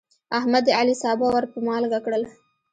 احمد د علي سابه ور په مالګه کړل.